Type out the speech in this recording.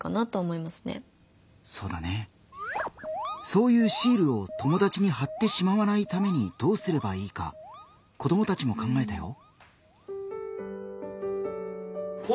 そういう「シール」を友達にはってしまわないためにどうすればいいか子どもたちも考えたよ。